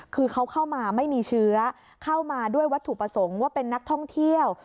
คือเขาเข้ามาไม่มีเชื้อเข้ามาด้วยวัตถุประสงค์ว่าเป็นนักท่องเที่ยว